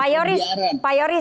oke pak yoris pak yoris